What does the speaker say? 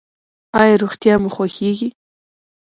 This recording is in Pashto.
ایا روغتیا مو خوښیږي؟